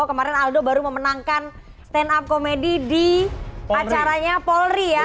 kemarin aldo baru memenangkan stand up komedi di acaranya polri ya